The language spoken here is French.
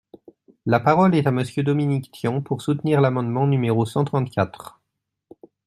La parole est à Monsieur Dominique Tian, pour soutenir l’amendement numéro cent trente-quatre.